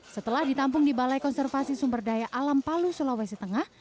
setelah ditampung di balai konservasi sumber daya alam palu sulawesi tengah